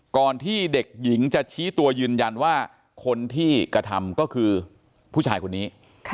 ก่อนที่เด็กหญิงจะชี้ตัวยืนยันว่าคนที่กระทำก็คือผู้ชายคนนี้